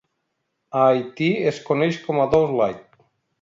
A Haití es coneix com a "douce lait".